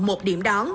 một điểm đón